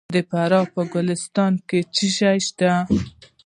د فراه په ګلستان کې څه شی شته؟